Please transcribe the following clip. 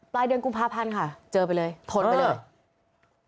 เดือนกุมภาพันธ์ค่ะเจอไปเลยทนไปเลย